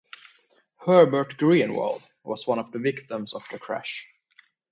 Herbert Greenwald was one of the victims of the crash.